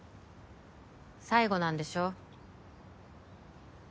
最後なんでしょ。